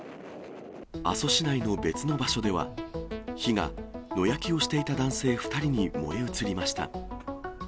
阿蘇市内の別の場所では、火が野焼きをしていた男性２人に燃え移りました。